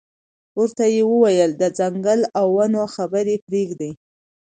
ورته یې وویل د ځنګل او ونو خبرې پرېږده.